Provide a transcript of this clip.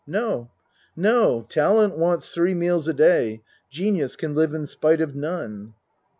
No no talent wants three meals a day genius can live in spite of none.